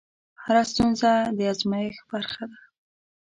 هره ستونزه د ازمېښت برخه ده.